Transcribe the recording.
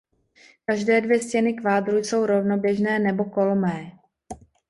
Každé dvě stěny kvádru jsou rovnoběžné nebo kolmé.